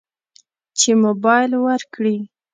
چې موبایل ورکړي.